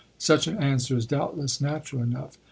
" Such an answer is doubtless natural enough.